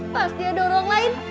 pasti ada orang lain